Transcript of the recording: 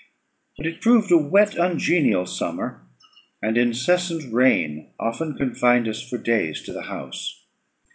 But it proved a wet, ungenial summer, and incessant rain often confined us for days to the house.